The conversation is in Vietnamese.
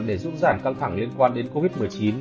để giúp giảm căng thẳng liên quan đến covid một mươi chín